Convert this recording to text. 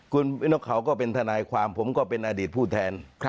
คุณนกเขาก็เป็นทนายความผมก็เป็นอดีตผู้แทน